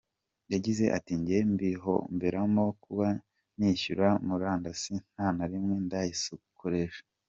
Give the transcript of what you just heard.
Yagize ati “Njye mbihomberamo kuba nishyura murandasi nta narimwe ndayiskoresha.